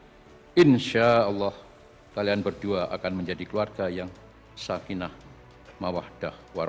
dan insyaallah kalian berdua akan menjadi kumat